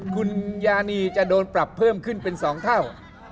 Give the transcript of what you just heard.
คุณยานีจะโดนปรับเพิ่มขึ้นเป็น๒เท่า